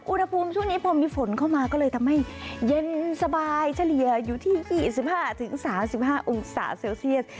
อุณหภูมิช่วงนี้พอมีฝนเข้ามาก็เลยทำให้เย็นสบายเฉลี่ยอยู่ที่๒๕๓๕องศาเซลเซียส